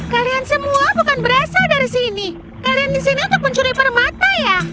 kalian semua bukan berasal dari sini kalian di sini untuk mencuri permata ya